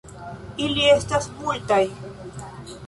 Ili estas multaj.